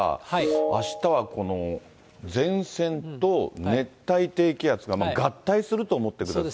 あしたはこの前線と熱帯低気圧が合体すると思ってください。